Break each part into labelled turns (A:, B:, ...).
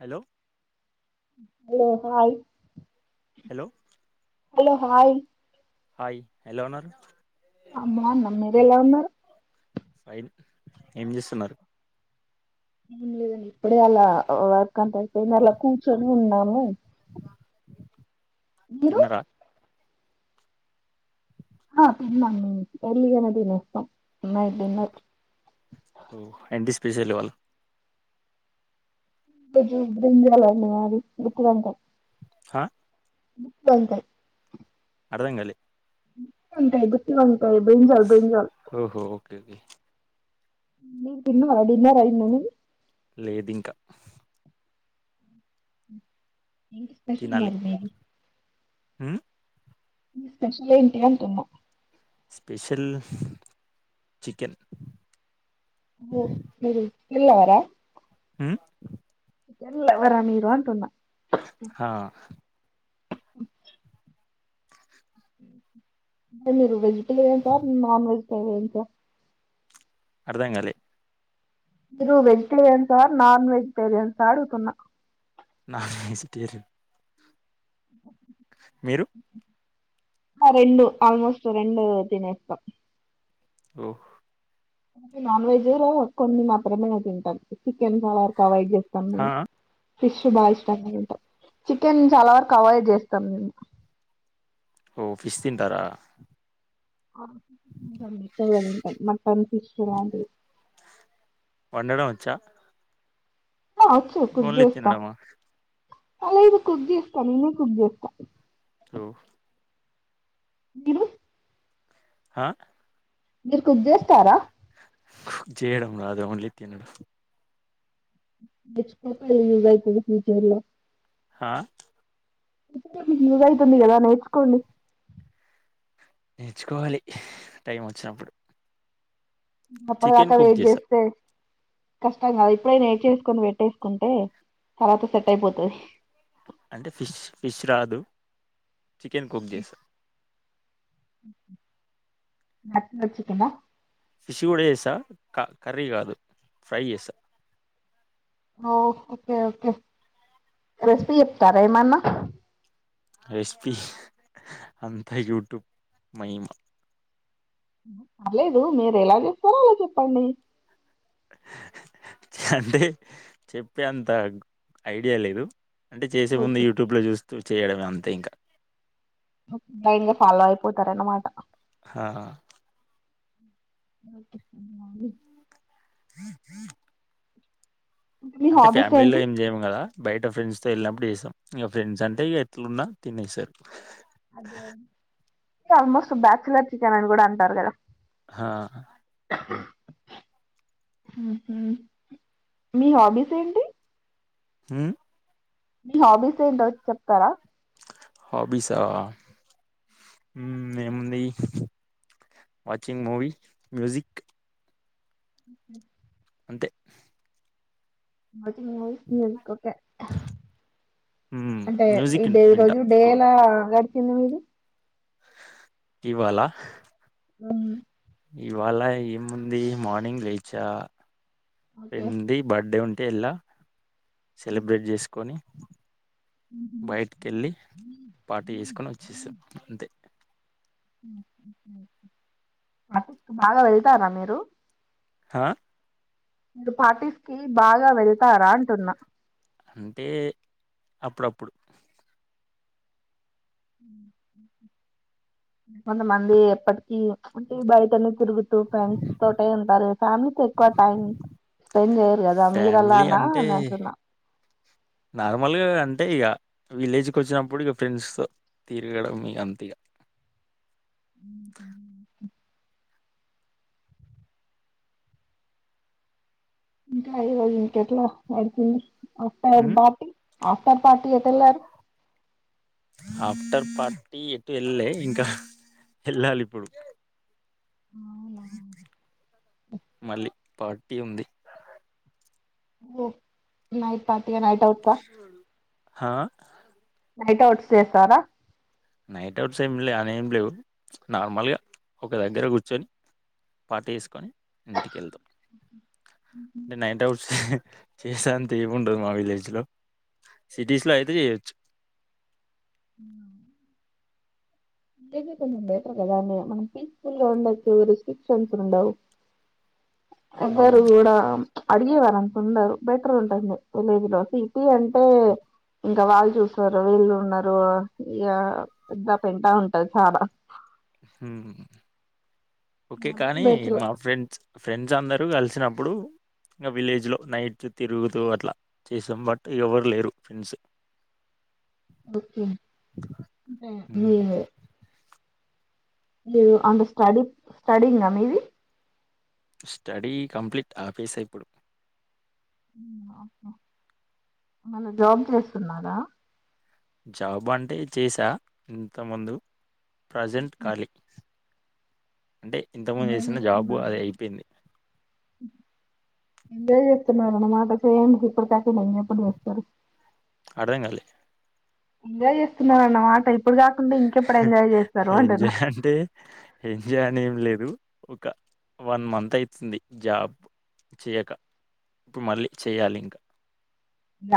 A: Hello
B: hello hi
A: hello
B: hello hi
A: hi ఎలాఉన్నారు
B: అమ్మ నమ్మ మీరు ఎలా ఉన్నారు
A: ఫైన్ ఏం చేస్తున్నారు
B: అన్లేదండి ఇప్పుడే అలా వర్క అంత అయిపోయింది అలా కూర్చొని ఉన్నాము మీరు
A: తిన్నరా
B: ఆ తింన్నాము ఎర్లీ గానే తినేస్తాము మర్ డిన్నర్
A: పిసల్ వాళ్ళు
B: [unintelligible]
A: హా
B: గుత్ వంకాయ్
A: అర్థం గాలె
B: గుత్ వంకాయ్ గుత్తు వంకాయ్ బ్రింజల్ బ్రింజల్.
A: క్యా బి
B: మీర్ తింటున్నారా డిన్నర్ అయిందా మీది
A: లేదు ఇంకా
B: ఎంటి స్పెషల్ మరి మీది
A: ఉ
B: మీ స్పెషల్ ఏంటి అంటున్నా
A: స్పెషిల్ చికెన్
B: ఓ మీరు చికెన్ లవర
A: ఉ
B: చికెన్ లవరా మీరు అంటున్న
A: హ
B: [inaudible] మీరు వెజిటలేరియన్స సార్ నాన్ వెజిటరియన్స.
A: అర్థంగాలే
B: మీరు వెజిటేరియన్స నాన్ వెజిటేరియన్సా అడుగుతున్నా.
A: నాన్ వెజ్టెరియన్
B: హ రెండు ఆల్మోస్ట్ రెండు తినేస్తాం
A: ఓహ్
B: నాన్ వెజ్ లో కొన్ని మాత్రమే తింటాం చికెన్ చాలా వరకు అవైడ్ చేస్త్ తంబు
A: హా
B: ఫిష్ బాగా ఇష్టంగా తింటా చికెన్ చాలా వరకు అవాయిడ్ చేస్తాం మేము.
A: ఓ పిస్ తింటారా
B: ఆ తింటాం ఎకువగా దింటాం మటన్ ఫిష్ అలాంటివి
A: వండడం వచ్చా
B: హ వచ్చు కుక్
A: ఓన్లీ
B: చేస్తా
A: తినడమా
B: అలా ఎమ్ కుక్ చేస్తా నేనే కుక్ చేస్తా.
A: టో
B: మీరు
A: హ
B: మీర్ కుక్ చేస్తారా
A: కుక్ చేయడం రాదు ఓన్లీ తినడం
B: నేర్చుకో [unintelligible] యూస్ అయితది ఫ్యూచర్లో.
A: హా
B: ఫ్యూచర్ లో మీకి యూస్ అవుతుంది కదా నేర్చుకోండి.
A: నేర్చుకోవాలి టైమ్ వచ్చినప్పుడు
B: అప్పటి దాకా
A: చికెన్ కుక్
B: వెయిట్
A: చేసా
B: చేస్తే కష్టం కాదా ఇప్పుడే నేడ్చేసుకొని పెట్టేసుకుంటే తర్వాత సెట్ అయిపోతది.
A: అంటే ఫిష్ ఫిష్ రాదు చికెన్ కుక్ చేస్తా
B: మటను చికెనా
A: ఫిష్ కూడా చేస్తా కర్రీ కాదు ఫ్రై చేస్తా
B: ఓ ఓకే ఓకే రెసిపీ చెప్తారా ఏమన్నా
A: రెసిపీ అంత యూట్యూబ్ మయిమా
B: పర్లేేదు మీరు ఎలా చేస్తారో అలా చెప్పండి.
A: అంటే చెప్పే అంత ఐడియా లేదు అంటే చేసే ముందు
B: ఓకే
A: యూట్యూబ్లో చూస్తూ చేయడమే అంతే ఇంకా
B: ఒకే బ్లైండ్గా ఫాలో అయిపోతారన్నమాట
A: హా
B: [unintelligible]
A: [inaudible]
B: మీ
A: అంటే
B: హాబీస్
A: ఫ్యామిలీలో
B: ఏంటి
A: ఏం జేయము గదా బయట ఫ్రెండ్స్తో వెళ్ళినప్పుడు జేసం ఇగ ఫ్రెండ్స్ అంటే ఇగ ఎట్లున్నా తినేసరు
B: అదే ఆల్మోస్ట్ బ్యాచులర్ చికెన్ అని కూడా అంటారు గదా
A: హా
B: హుహ్ మీ హాబీస్ ఏంటి
A: హు
B: మీ హాబీస్ ఏంటో చెప్తారా
A: హాబీసా ఊమ్ ఏముంది వాచింగ్ మూవి మ్యూజిక్
B: హుహ్
A: అంతే
B: వాచింగ్ మూవీస్ మ్యూజిక్ ఒకే
A: ఉమ్,
B: అంటే ఈ
A: మ్యూజిక్
B: డే
A: వింటా
B: రోజు డే
A: ఎక్కువ
B: ఎలా గడిచింది మీది
A: ఇవాళ
B: హ్మ్
A: ఇవాళ ఏముంది మార్నింగ్ లేచా
B: ఓకే
A: ఫ్రెండ్ ది బర్త్డే ఉన్ టే ఎల్లా సెలబ్రేట్ జేసుకొని పార్టీ చేసుకొని వచ్చేసాం అంతే
B: హుహు అటుక్ బాగా వెళ్తారా మీరు
A: హా
B: మీరు పార్టీస్కీ బాగా వెళతారా అంటున్నా
A: అంటే అప్పుడప్పుడు
B: ఊహ్మ్ కొంతమంది ఎప్పటికి ఉంటే బయటనే తిరుగుతూ ఫ్రెండ్స్ తోటే ఉంటారు ఫ్యామిలీకి ఎక్కువ టైం స్పెండ్ జేయరు గదా
A: ఫ్యామిలీ
B: మీరులాన
A: అంటే
B: అంటున్న
A: నార్మల్గా అంతే ఇగ విలేజ్కి ఒచ్చినప్పుడు ఇగ ఫ్రెండ్స్తో తిరగడం ఇగ అంతే ఇగ
B: [unintelligible] ఇంకా ఈ రోజు ఇంక ఎట్లా నడిసింది ఆఫ్టైం దాటి ఆఫ్టర్ థాట్ ఎటుయెల్లారు
A: ఆఫ్టర్ పార్టీ ఎటు ఏళ్లలే ఇంకా ఎళ్ళాలి ఇప్పుడు
B: అవునా
A: మళ్ళీ పార్టీ ఉంది
B: ఓ నైట్ పార్టీ నైటౌట్ కా
A: హా
B: నైట్ అవుట్స్ చేస్తారా
A: నైట్ అవుట్స్ ఏమి లే అని ఏమి లేవు నార్మల్గా ఒక దగ్గర కూర్చొని పార్టీ చేసుకొని ఇంటికి వెళ్తాం అంటే నైటౌట్స్ చేసా అంత ఏం ఉండదు మా విలేజ్ లో సిటీస్ లో అయితే జెయొచ్చు
B: ఉ అంటే మీరు కొంచం బెటర్ కదా అంటే మనం పీస్ఫుల్ గా ఉండచ్చు రిస్ట్రిక్షన్స్ ఉండవు ఎవరు
A: హ్మ్.
B: గూడ అడిగేవారు అంత ఉండరు బెటర్ ఉంటంది విలేజ్ లో సిటీ అంటే ఇంకా వాళ్ళు చూసారు వీళ్ళు ఉన్నారు ఇగ పెద్ద పెంట ఉన్ టాది చాలా
A: ఊహ్ ఓకే కానీ
B: బెటర్
A: మా ఫ్రెండ్స్ ఫ్రెండ్స్ అందరూ గలిసినప్పుడు ఇంగ విలేజ్లో నైట్ తిరుగుతూ అట్లా చేసాం బట్ ఎవరు లేరు ఫ్రెండ్స్
B: ఓకే ఏ
A: హ్మ్.
B: మీ అంద స్టడీ స్టడీంగ మీది
A: స్టడీ కంప్లీట్ ఆపేస ఇప్పుడు
B: ఆహా మల్ల జాబ్ చేస్తున్నారా
A: జాబ్ అంటే చేసా ఇంత ముందు ప్రజెంట్ ఖాలీ
B: ఎంజాయ్
A: జాబు
B: చేస్తున్నారు
A: అది అయిపోయింది.
B: ఎంజాయ్ చేస్తున్నారన్నమాట చేయండి ఇప్పడు కాక ఇంకేప్పుడు చేస్తారు
A: ఆడుధంగాలే
B: ఎంజాయ్ చేస్తున్నారన్నమాట ఇప్
A: ఎంజా అంటే ఎంజా అనేం లేదు ఒక వన్ మంత్ అయితుంది జాబ్ చేయక ఇప్పు మళ్ళీ చెయాలి ఇంకా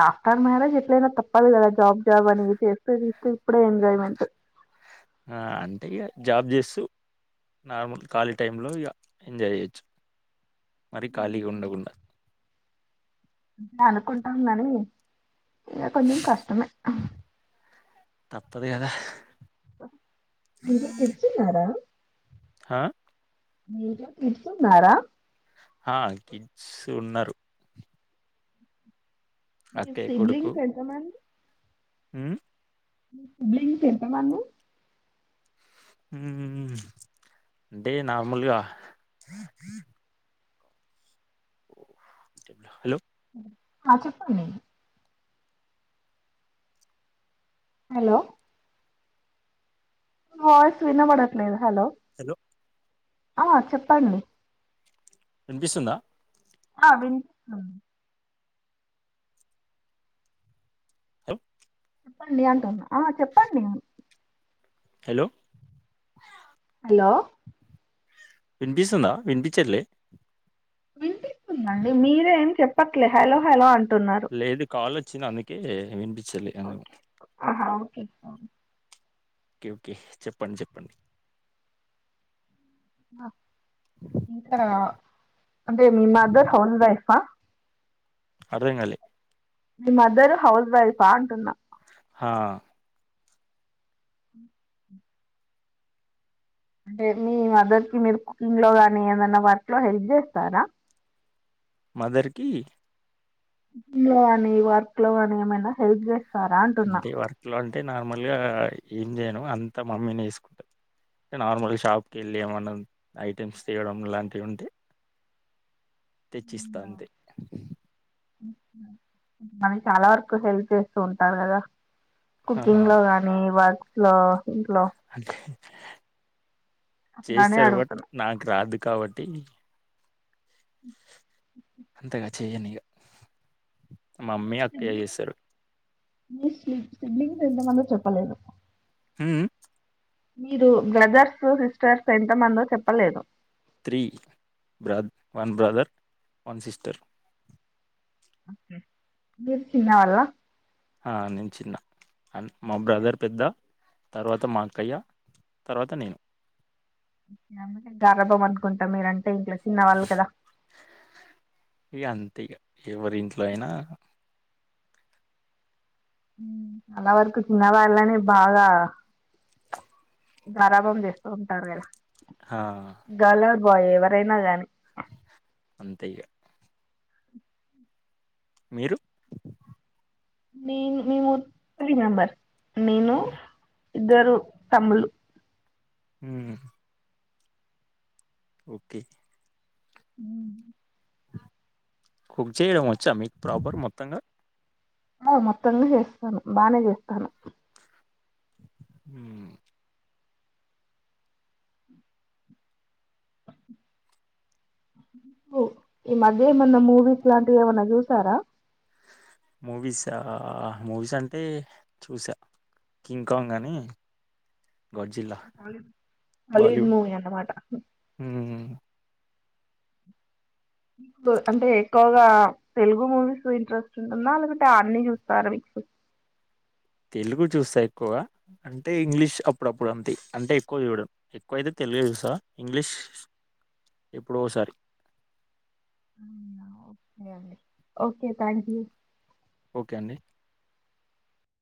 B: ఆఫటర్ మ్యారేజ్ ఎట్లేన తప్పదు కదా జబ్ జాబ్ అనిచేస్తది ఇప్పుడే ఎంజయ్మెంట్
A: ఆ! అంటే ఇగ జాబ్ చేస్తూ నార్మల్ ఖాళీ టైంలో ఇక ఎంజాయ్ చేయొచ్చు మరి ఖాళీగా ఉండకూండ
B: ఇగ అనుకుంటాం గని ఇక కొంచెం కష్టమే
A: తప్పదు కదా
B: ఇది చేస్తూన్నారా
A: హా
B: మీకు కిడ్సన్నారా
A: ఆ కిడ్స్ ఉన్నరు
B: మీ
A: అక్కయ్య కొడుకు
B: సిడ్లింగ్స్ ఎంతమంది
A: ఉమ్
B: మీ సిబ్లింగ్ ఎంతమంది
A: ఉమ్ అంటే నార్మల్గా హలో
B: ఆ చెప్పండి హలో వయిస్ వినపడట్లేదు హలో
A: హలో
B: ఆ చెప్పండి
A: వినిపిస్తుందా
B: ఆ వినిపిస్తుంది
A: [unintelligible]
B: చెప్పండి అంటున్నా ఆ చెప్పండి
A: హలో
B: హలో
A: వినిపిస్తుందా విన్పిచట్లే
B: వినిపిస్తుందండి మీరే ఏం చెప్పట్లే హలో హలో ఆన్
A: లేదు కాల్ ఓచ్చింది అందుకే వినిపించలే అందుకు
B: హా ఓకే ఓ
A: ఓకే ఓకే చెప్పండి చెప్పండి
B: ఇంత అంటే మీ మదర్ హౌస్ వైఫా
A: అర్థం కాలే
B: మీ మదర్ హౌస్ వైఫా అంటున్నా
A: ఆ
B: అంటే మీ మదర్ కి మీరు కుకింగ్ లో గాని ఏదైనా వర్క్ లో హెల్ప్ చేస్తారా
A: మదర్కి కి
B: లో అని వార్క్ లో అని ఏమైనా హెల్ప్ చేస్తా
A: అంటే వర్క్ లో అంటే నార్మల్గా ఏం చేయను అంతా మమ్మీని చూసుకుంటది నార్మల్ షాప్ కి వెళ్ళి ఏమన్నా ఐటెమ్స్ తీయడం లాంటివి ఉంటే తెచ్చిస్తా అంతే
B: మనకి చాలా వరకు హెల్ప్ చేస్తూ ఉంటారు కదా
A: ఆహా
B: కుకింగ్ లో గానీ వా ఆ
A: అదే
B: అట్లానే
A: చేస్తారు బట్
B: అడుగుతున్నా
A: నాకు రాదు కాబట్టి అంతగా చెయ్యనీయ మమ్మీ అక్కయ్య చేస్తారు
B: మీ సిడ్లీకి ఎంతమంది చెప్పలేదు
A: హ
B: మీరు బ్రదర్స్ సిస్టర్స్ ఎంత మందు చెప్పలేదు
A: త్రీ బ వన్ బ్రదర్ వన్ సిస్టర్
B: మీరు చిన్న వాళ్ళ
A: ఆ నేను చిన్న అ మా బ్రదర్ పెద్ద తర్వాత మాక్కయ్య తర్వాత నేను
B: లేకుంటే గారభం అనుకుంటారు మీరంటే ఇంట్లో చిన్నవాళ్ళు కదా
A: ఇక అంతే ఈగ ఎవరి ఇంట్లో అయినా
B: చాలా వరకు చిన్న వాళ్ళనే బాగా గారభం చేస్తూ ఉంటారు కదా
A: ఆ
B: గర్ల్ ఆర్ బాయ్ ఎవరైనా గాని
A: అంతయ్య మీరు
B: మీ మీ మూర్తి మెంబర్ నేను ఇద్దరు తమ్ములు
A: ఉ ఓకే
B: ఉ
A: కుక్ చేయడం వచ్చా మీకు ప్రాపర్ మొత్తంగా
B: ఆ మొత్తంగా చేస్తాను బానే చేస్తాను
A: ఉ
B: ఈ మధ్య ఏమైనా మూవీస్ లాంటివి ఏమైనా చూశారా
A: మూవీస్ అమూవీస్ అంటే చూసా కింగ్ కాంగ్ అని గాడ్జిల్లా
B: హాలీవుడ్
A: బాలీవుడ్
B: మూవీ అన్నమాట
A: ఉ ఉ
B: అంటే ఎక్కువగా తెలుగు మూవీస్ ఇంట్రెస్ట్ ఉంటుందా లేకంటే ఆ అన్ని చూస్తారా మీక్
A: తెలుగు చూస్తా ఎక్కువ అంటే ఇంగ్లీష్ అప్పుడప్పుడు అంత అంటే ఎక్కువ చూడడం ఎక్కువైతే తెలుగు చూసా ఇంగ్లీష్ ఇప్పుడు ఒకసారి
B: అవునా ఓకే థ్యాంక్ యూ
A: ఓకే అండి